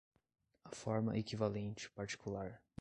A forma-equivalente particular